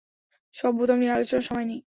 সব বোতাম নিয়ে আলোচনার সময় নেই।